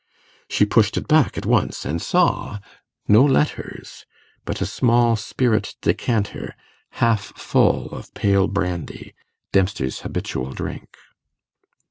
She pushed it back at once, and saw no letters, but a small spirit decanter, half full of pale brandy, Dempster's habitual drink.